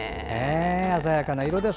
鮮やかな色です。